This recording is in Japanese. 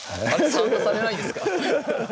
参加されないんですか？